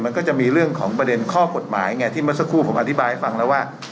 มันก็จะมีเรื่องของประเด็นข้อกฎหมายไงที่เมื่อสักครู่ผมอธิบายให้ฟังแล้วว่า